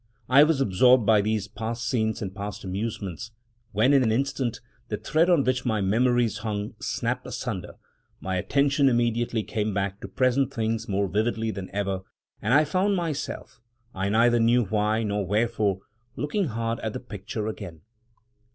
I was absorbed by these past scenes and past amusements, when, in an instant, the thread on which my memories hung snapped asunder; my attention immediately came back to present things more vividly than ever, and I found myself, I neither knew why nor wherefore, looking hard at the picture again.